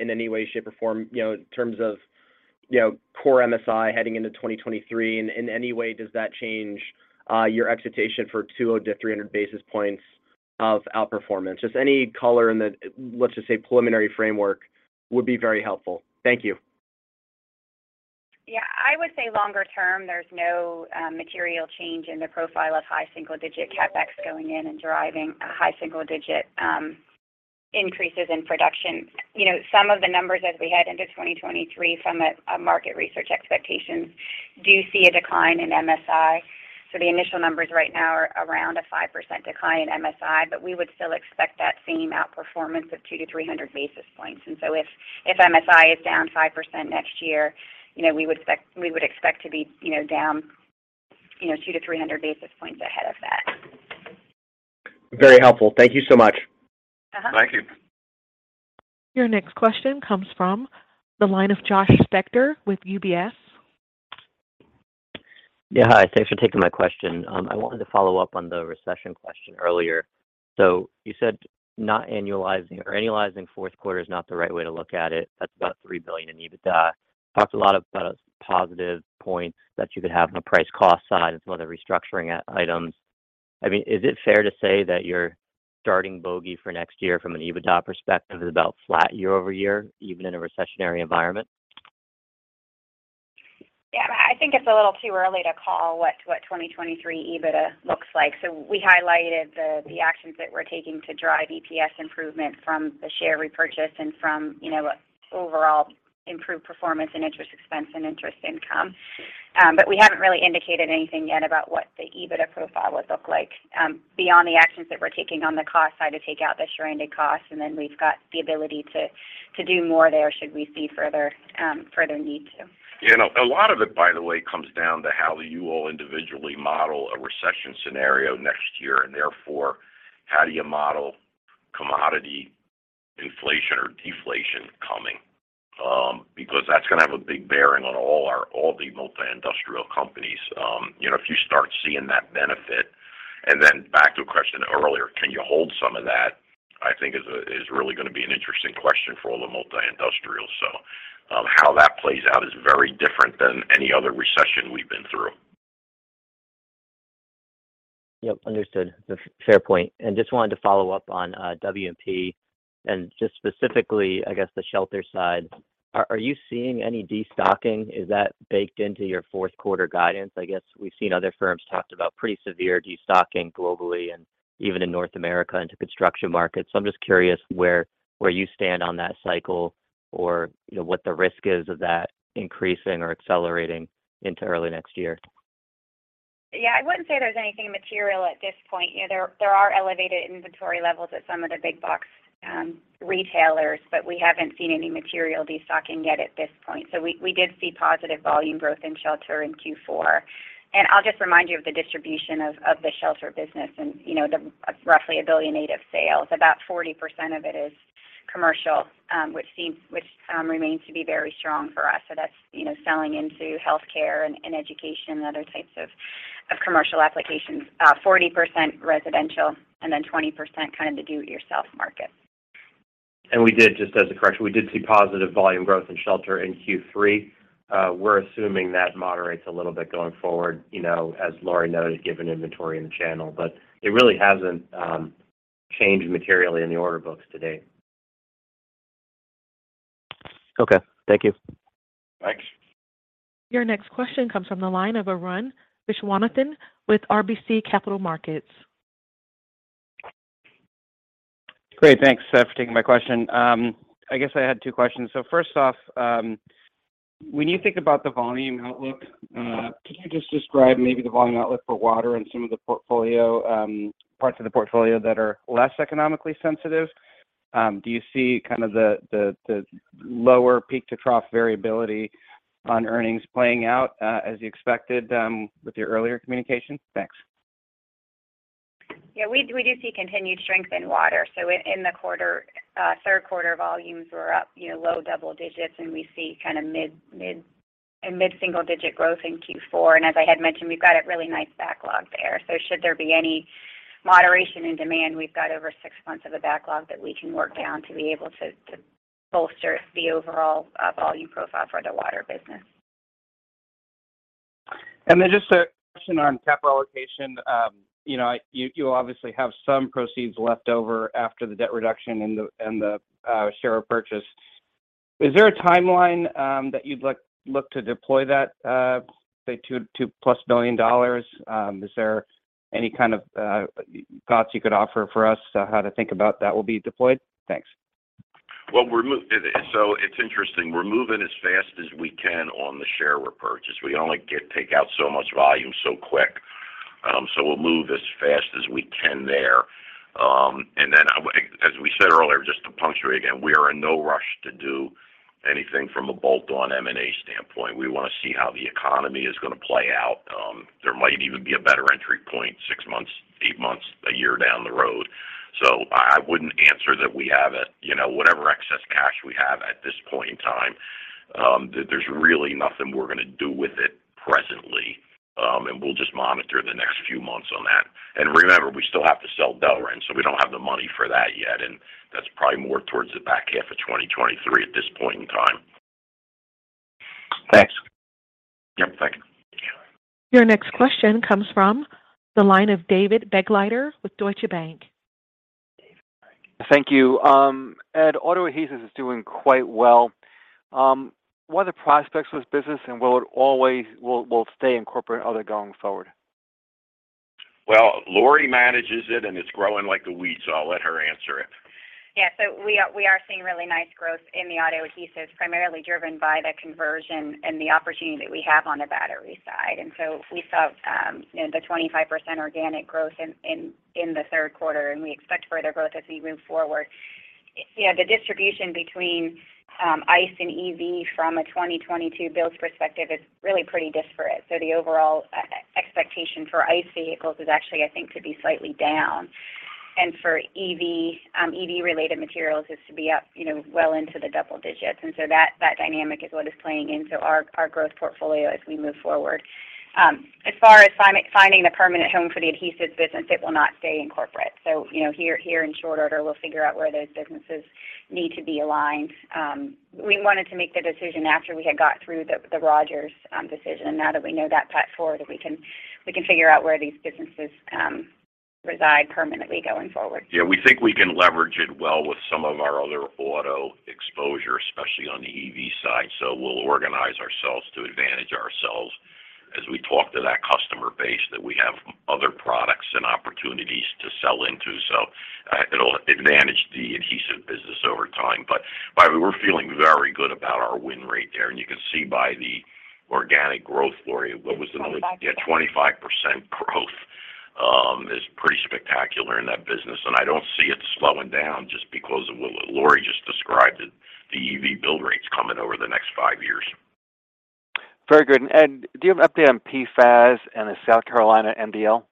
in any way, shape, or form, you know, in terms of, you know, core MSI heading into 2023? In any way does that change, your expectation for 200-300 basis points of outperformance? Just any color in the, let's just say, preliminary framework would be very helpful. Thank you. Yeah, I would say longer term, there's no material change in the profile of high single digit CapEx going in and driving high single digit increases in production. You know, some of the numbers as we head into 2023 from a market research expectations do see a decline in MSI. The initial numbers right now are around a 5% decline in MSI, but we would still expect that same outperformance of 200-300 basis points. If MSI is down 5% next year, you know, we would expect to be, you know, down 200-300 basis points ahead of that. Very helpful. Thank you so much. Uh-huh. Thank you. Your next question comes from the line of Josh Spector with UBS. Yeah, hi. Thanks for taking my question. I wanted to follow up on the recession question earlier. You said not annualizing or annualizing fourth quarter is not the right way to look at it. That's about $3 billion in EBITDA. Talked a lot about positive points that you could have on a price cost side and some of the restructuring items. I mean, is it fair to say that your starting bogey for next year from an EBITDA perspective is about flat year-over-year, even in a recessionary environment? Yeah. I think it's a little too early to call what 2023 EBITDA looks like. We highlighted the actions that we're taking to drive EPS improvement from the share repurchase and from, you know, overall improved performance in interest expense and interest income. But we haven't really indicated anything yet about what the EBITDA profile would look like, beyond the actions that we're taking on the cost side to take out the stranded costs, and then we've got the ability to do more there should we see further need to. You know, a lot of it, by the way, comes down to how you all individually model a recession scenario next year, and therefore, how do you model commodity inflation or deflation coming? Because that's gonna have a big bearing on all the multi-industrial companies. You know, if you start seeing that benefit, and then back to a question earlier, can you hold some of that? I think is really gonna be an interesting question for all the multi-industrials. How that plays out is very different than any other recession we've been through. Yep, understood. Fair point. Just wanted to follow up on W&P and just specifically, I guess, the shelter side. Are you seeing any destocking? Is that baked into your fourth quarter guidance? I guess we've seen other firms talking about pretty severe destocking globally and even in North America into construction markets. I'm just curious where you stand on that cycle or, you know, what the risk is of that increasing or accelerating into early next year. Yeah. I wouldn't say there's anything material at this point. You know, there are elevated inventory levels at some of the big box retailers, but we haven't seen any material destocking yet at this point. We did see positive volume growth in Shelter in Q4. I'll just remind you of the distribution of the Shelter business and, you know, the roughly $1.8 billion of sales. About 40% of it is commercial, which remains to be very strong for us. That's, you know, selling into healthcare and education and other types of commercial applications. 40% residential, and then 20% kind of the do-it-yourself market. We did, just as a correction, we did see positive volume growth in shelter in Q3. We're assuming that moderates a little bit going forward, you know, as Lori noted, given inventory in the channel. It really hasn't changed materially in the order books to date. Okay. Thank you. Thanks. Your next question comes from the line of Arun Viswanathan with RBC Capital Markets. Great. Thanks for taking my question. I guess I had two questions. First off, when you think about the volume outlook, could you just describe maybe the volume outlook for water and some of the portfolio, parts of the portfolio that are less economically sensitive? Do you see kind of the lower peak-to-trough variability on earnings playing out, as you expected, with your earlier communication? Thanks. Yeah, we do see continued strength in water. In the third quarter volumes were up, you know, low double digits, and we see kinda mid-single digit growth in Q4. As I had mentioned, we've got a really nice backlog there. Should there be any moderation in demand, we've got over 6 months of a backlog that we can work down to be able to bolster the overall volume profile for the water business. Just a question on capital allocation. You know, you obviously have some proceeds left over after the debt reduction and the share repurchase. Is there a timeline that you'd look to deploy that, say $2+ billion? Is there any kind of thoughts you could offer for us on how to think about that will be deployed? Thanks. It's interesting. We're moving as fast as we can on the share repurchase. We can only take out so much volume so quick. We'll move as fast as we can there. As we said earlier, just to punctuate again, we are in no rush to do anything from a bolt-on M&A standpoint. We wanna see how the economy is gonna play out. There might even be a better entry point six months, eight months, a year down the road. I wouldn't answer that we have it. You know, whatever excess cash we have at this point in time, there's really nothing we're gonna do with it presently. We'll just monitor the next few months on that. Remember, we still have to sell Delrin, so we don't have the money for that yet, and that's probably more towards the back half of 2023 at this point in time. Thanks. Yep. Thank you. Your next question comes from the line of David Begleiter with Deutsche Bank. David Begleiter. Thank you. Ed, Auto Adhesives is doing quite well. What are the prospects for this business, and will it stay in corporate or there going forward? Well, Lori manages it, and it's growing like a weed, so I'll let her answer it. Yeah. We are seeing really nice growth in the Auto Adhesives, primarily driven by the conversion and the opportunity that we have on the battery side. We saw the 25% organic growth in the third quarter, and we expect further growth as we move forward. The distribution between ICE and EV from a 2022 builds perspective is really pretty disparate. The overall expectation for ICE vehicles is actually, I think, to be slightly down. For EV-related materials is to be up well into the double digits. That dynamic is what is playing into our growth portfolio as we move forward. As far as finding a permanent home for the adhesives business, it will not stay in corporate. You know, here in short order, we'll figure out where those businesses need to be aligned. We wanted to make the decision after we had got through the Rogers decision. Now that we know that path forward, we can figure out where these businesses reside permanently going forward. Yeah. We think we can leverage it well with some of our other auto exposure, especially on the EV side. We'll organize ourselves to advantage ourselves as we talk to that customer base that we have other products and opportunities to sell into. It'll advantage the adhesive business over time. But we're feeling very good about our win rate there, and you can see by the organic growth, Lori. What was the number? 25%. Yeah, 25% growth is pretty spectacular in that business, and I don't see it slowing down just because of what Lori just described, the EV build rates coming over the next 5 years. Very good. Do you have an update on PFAS and the South Carolina MDL?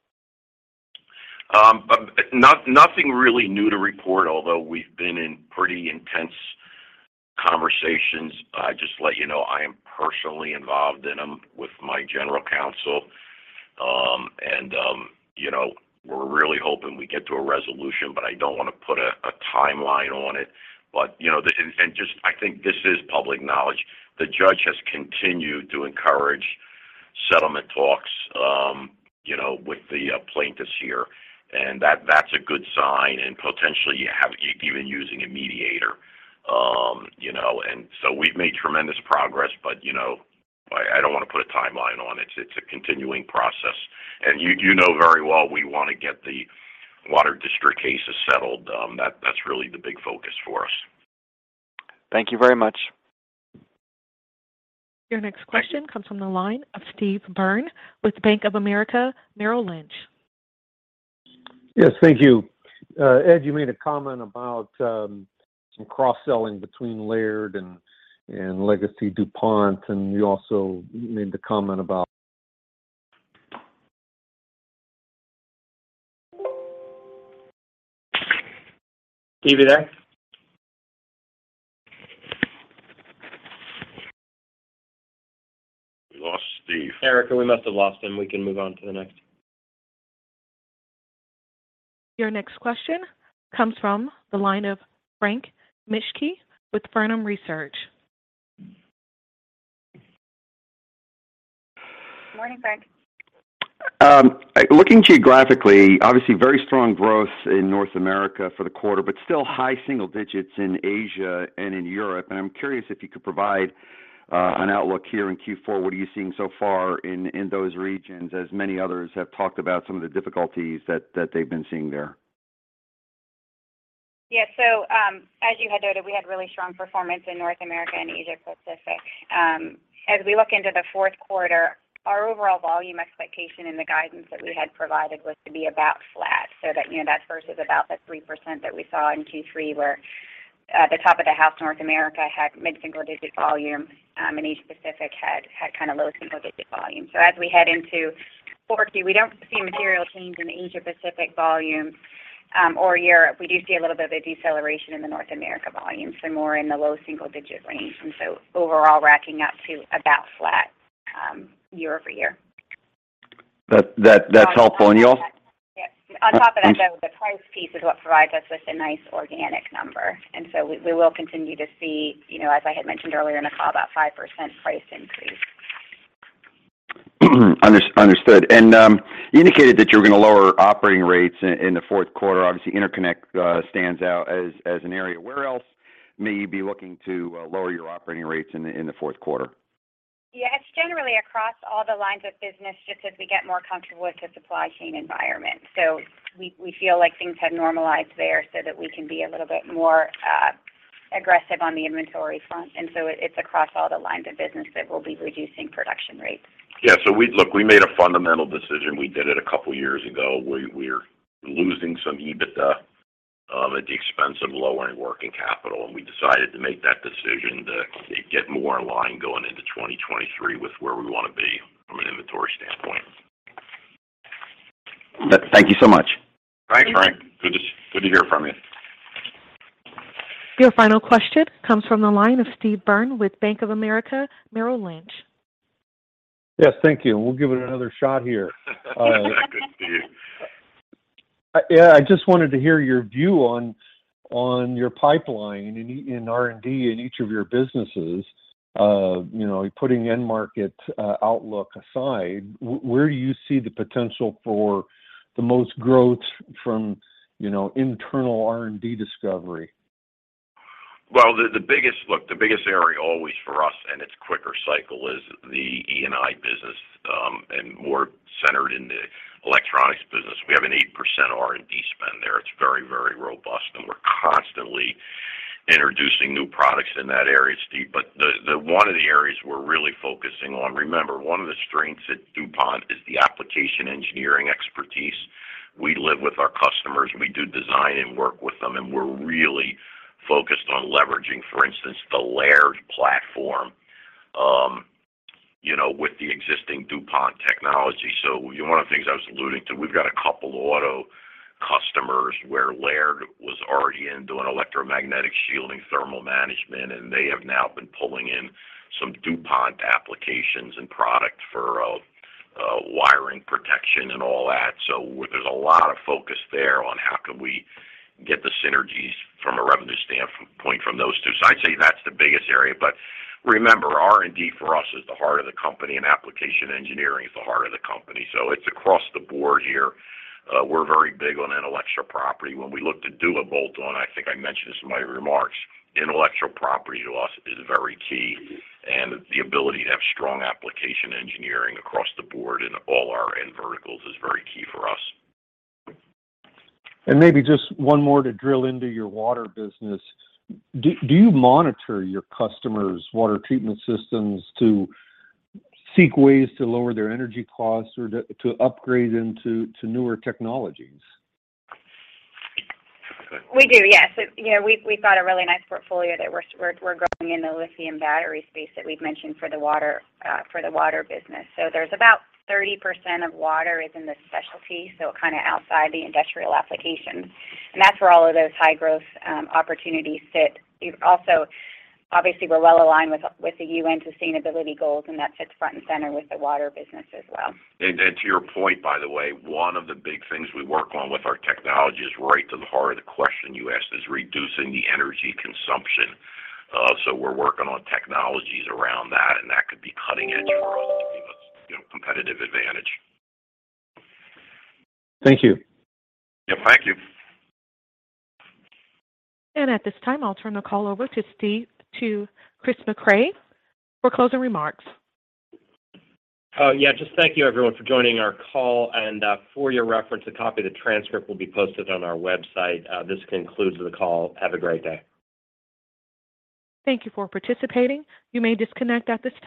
Nothing really new to report, although we've been in pretty intense conversations. Just to let you know, I am personally involved in them with my general counsel. You know, we're really hoping we get to a resolution, but I don't wanna put a timeline on it. You know, this is public knowledge. The judge has continued to encourage settlement talks, you know, with the plaintiffs here, and that's a good sign, potentially even using a mediator. You know, we've made tremendous progress, but you know, I don't wanna put a timeline on it. It's a continuing process. You know very well we wanna get the water district cases settled. That's really the big focus for us. Thank you very much. Your next question comes from the line of Steve Byrne with Bank of America Merrill Lynch. Yes. Thank you. Ed, you made a comment about some cross-selling between Laird and Legacy DuPont, and you also made the comment about. Steve, are you there? We lost Steve. Erica, we must have lost him. We can move on to the next. Your next question comes from the line of Frank Mitsch with Fermium Research. Morning, Frank. Looking geographically, obviously very strong growth in North America for the quarter, but still high single digits in Asia and in Europe. I'm curious if you could provide an outlook here in Q4. What are you seeing so far in those regions, as many others have talked about some of the difficulties that they've been seeing there? Yeah. As you had noted, we had really strong performance in North America and Asia-Pacific. As we look into the fourth quarter, our overall volume expectation and the guidance that we had provided was to be about flat so that, you know, that versus about the 3% that we saw in Q3, where, at the top of the house, North America had mid-single-digit volume, and Asia-Pacific had kinda low single-digit volume. As we head into 4Q, we don't see material change in the Asia-Pacific volume, or Europe. We do see a little bit of a deceleration in the North America volume, so more in the low single-digit range. Overall racking up to about flat year-over-year. That's helpful. Y'all Yeah. On top of that, though, the price piece is what provides us with a nice organic number, and so we will continue to see, you know, as I had mentioned earlier in the call, that 5% price increase. Understood. You indicated that you're gonna lower operating rates in the fourth quarter. Obviously, Interconnect stands out as an area. Where else may you be looking to lower your operating rates in the fourth quarter? Yeah. It's generally across all the lines of business, just as we get more comfortable with the supply chain environment. We feel like things have normalized there so that we can be a little bit more aggressive on the inventory front. It's across all the lines of business that we'll be reducing production rates. Yeah. Look, we made a fundamental decision. We did it a couple years ago. We're losing some EBITDA at the expense of lowering working capital, and we decided to make that decision to get more in line going into 2023 with where we wanna be from an inventory standpoint. Thank you so much. Thanks, Frank. Good to hear from you. Your final question comes from the line of Steve Byrne with Bank of America Merrill Lynch. Yes. Thank you. We'll give it another shot here. Good to see you. Yeah. I just wanted to hear your view on your pipeline in R&D in each of your businesses. You know, putting end market outlook aside, where do you see the potential for the most growth from, you know, internal R&D discovery? Look, the biggest area always for us, and it's quicker cycle is the E&I business, and more centered in the electronics business. We have an 8% R&D spend there. It's very, very robust, and we're constantly introducing new products in that area, Steve. The one of the areas we're really focusing on. Remember, one of the strengths at DuPont is the application engineering expertise. We live with our customers, and we do design and work with them, and we're really focused on leveraging, for instance, the Laird platform, you know, with the existing DuPont technology. One of the things I was alluding to, we've got a couple auto customers where Laird was already in doing electromagnetic shielding, thermal management, and they have now been pulling in some DuPont applications and product for wiring protection and all that. There's a lot of focus there on how can we get the synergies from a revenue standpoint from those two. I'd say that's the biggest area. Remember, R&D for us is the heart of the company, and application engineering is the heart of the company, so it's across the board here. We're very big on intellectual property. When we look to Liveo, and I think I mentioned this in my remarks, intellectual property to us is very key, and the ability to have strong application engineering across the board in all our end verticals is very key for us. Maybe just one more to drill into your water business. Do you monitor your customers' water treatment systems to seek ways to lower their energy costs or to upgrade into newer technologies? We do, yes. Yeah, we've got a really nice portfolio that we're growing in the lithium battery space that we've mentioned for the water, for the water business. There's about 30% of water is in the specialty, so kinda outside the industrial application, and that's where all of those high growth opportunities sit. We've also obviously, we're well aligned with the UN sustainability goals, and that sits front and center with the water business as well. To your point, by the way, one of the big things we work on with our technology is right to the heart of the question you asked is reducing the energy consumption. We're working on technologies around that, and that could be cutting edge for us to give us, you know, competitive advantage. Thank you. Yep, thank you. At this time, I'll turn the call over to Chris Mecray for closing remarks. Yeah, just thank you everyone for joining our call. For your reference, a copy of the transcript will be posted on our website. This concludes the call. Have a great day. Thank you for participating. You may disconnect at this time.